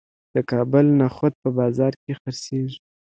د کابل نخود په بازار کې خرڅیږي.